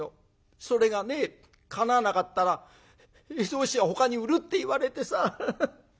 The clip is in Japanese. それがねかなわなかったら絵草紙屋をほかに売るって言われてさ。